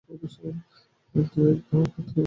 দুই এক বার কাকতালীয়ভাবে মিলে যাবে।